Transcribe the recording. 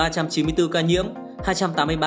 ba trăm chín mươi bốn ca nhiễm hai trăm tám mươi ba ca